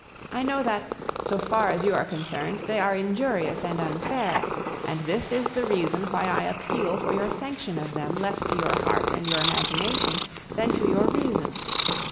I know that, so far as you are concerned, they are injurious and unfair, and this is the reason why I appeal for your sanction of them less to your heart and your imagination than to your reason.